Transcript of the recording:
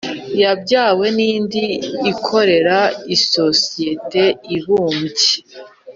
yabyawe n indi ikorera isosiyete ibumbye